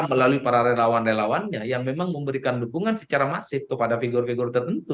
melalui para relawan relawannya yang memang memberikan dukungan secara masif kepada figur figur tertentu